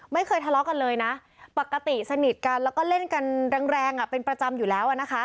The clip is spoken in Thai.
ไม่เคยทะเลาะกันเลยนะปกติสนิทกันแล้วก็เล่นกันแรงเป็นประจำอยู่แล้ว